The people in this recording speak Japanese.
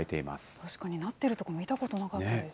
確かになっているところ、見たことなかったです。